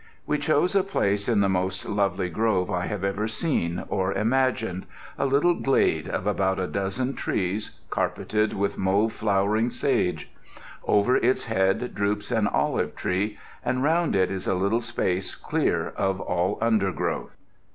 We chose a place in the most lovely grove I have ever seen, or imagined, a little glade of about a dozen trees, carpeted with mauve flowering sage. Over its head droops an olive tree, and round it is a little space clear of all undergrowth.